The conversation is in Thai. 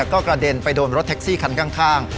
ก็กระเด็นไปโดนรถแท็กซี่คันข้าง